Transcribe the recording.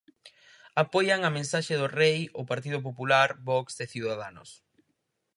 Apoian a mensaxe do Rei o Partido Popular, Vox e Ciudadanos.